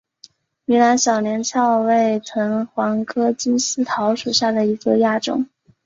云南小连翘为藤黄科金丝桃属下的一个亚种。